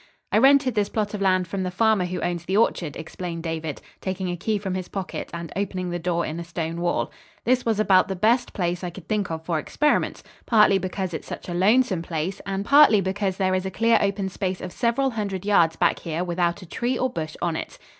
"I rented this plot of land from the farmer who owns the orchard," explained David, taking a key from his pocket and opening the door in the stone wall. "This was about the best place I could think of for experiments, partly because it's such a lonesome place, and partly because there is a clear open space of several hundred yards back here without a tree or bush on it."